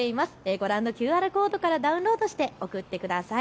ご覧のＱＲコードからダウンロードして送ってください。